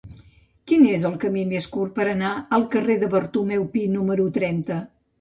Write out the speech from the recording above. Quin és el camí més curt per anar al carrer de Bartomeu Pi número trenta?